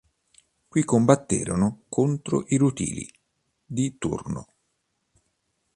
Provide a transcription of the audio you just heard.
Qui combatterono contro i Rutuli di Turno.